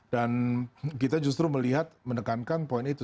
dan kita justru melihat mendekankan poin itu